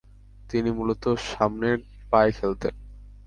তিনি মূলত সামনের পায়ে খেলতেন।